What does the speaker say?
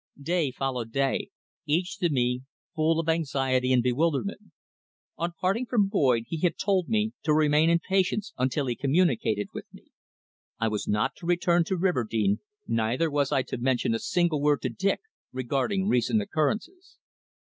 Day followed day, each to me full of anxiety and bewilderment. On parting from Boyd he had told me to remain in patience until he communicated with me. I was not to return to Riverdene, neither was I to mention a single word to Dick regarding recent occurrences.